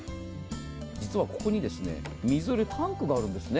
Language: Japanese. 実はここに水入れタンクがあるんです。